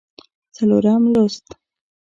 څلورم لوست